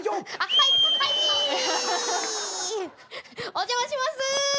お邪魔します。